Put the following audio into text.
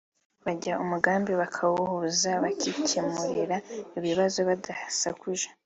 bajya umugambi bakawuhuza bakikemurira ibibazo badasakuje